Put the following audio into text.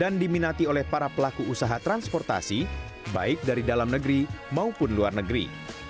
dan diminati oleh para pelaku usaha transportasi baik dari dalam negeri maupun luar negeri